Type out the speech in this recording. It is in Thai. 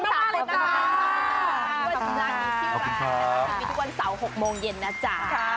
ที่มีทุกวันเสาร์๖โมงเย็นนะจ๊ะ